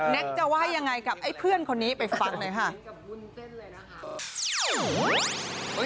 จะว่ายังไงกับไอ้เพื่อนคนนี้ไปฟังหน่อยค่ะ